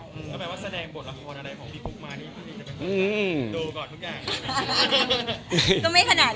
คือมันเป็นบทละครอะไรของพี่ฟุ๊กมานี่